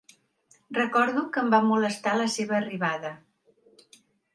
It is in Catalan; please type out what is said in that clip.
Recordo que em va molestar la seva arribada.